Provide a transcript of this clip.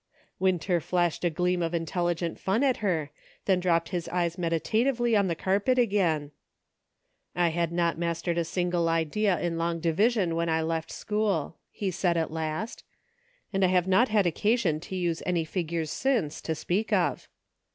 Winter flashed a gleam of intelligent fun at her, then dropped his eyes meditatively on the carpet again. " I had not mastered a single idea in long divi sion when I left school," he said at last, "and I have not had occasion to use any figures since, to speak of."